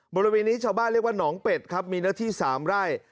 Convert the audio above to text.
บริเวณนี้ชาวบ้านเรียกว่าหนองเป็ดครับมีเนื้อที่๓ไร่